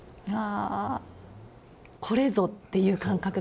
あ「これぞ」っていう感覚ですか？